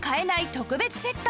特別セット